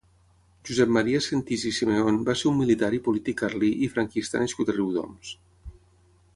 Josep Maria Sentís i Simeón va ser un militar i polític carlí i franquista nascut a Riudoms.